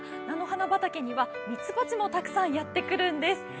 菜の花畑にはミツバチもたくさんやってくるんです。